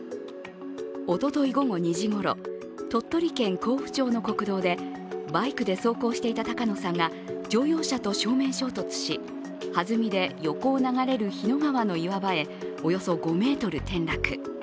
おととい午後２時ごろ、鳥取県江府町の国道でバイクで走行していた高野さんが乗用車と正面衝突し弾みで、横を流れる日野川の岩場へおよそ５ｍ転落。